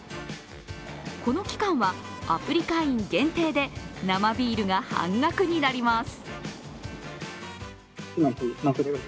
この期間はアプリ会員限定で生ビールが半額になります。